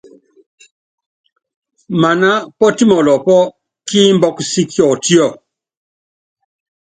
Maná pɔ́timɔlɔpɔ́ kí imbɔ́kɔ sí Kiɔtíɔ.